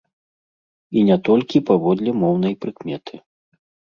І не толькі паводле моўнай прыкметы.